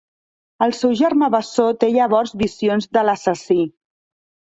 El seu germà bessó té llavors visions de l'assassí…